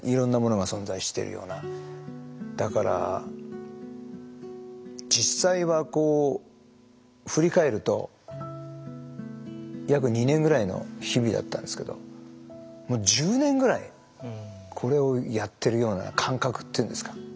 だから実際はこう振り返ると約２年ぐらいの日々だったんですけどもう１０年ぐらいこれをやってるような感覚っていうんですか。